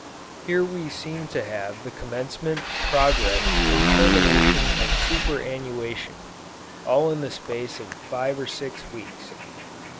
Here we seem to have the commencement, progress and termination of super annuation, all in the space of five or six weeks."